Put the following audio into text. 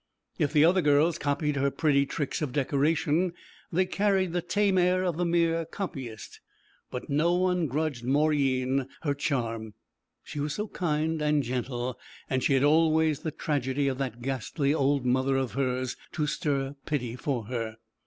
If the other girls copied her pretty tricks of decoration they carried the tame air of the mere copyist. But no one grudged Mauryeen her charm; she was so kind and gentle, and she had always the tragedy of that ghastly old mother of hers to stir pity for her.